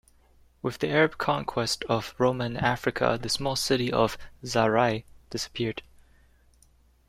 With the Arab conquest of Roman Africa the small city of Zarai disappeared.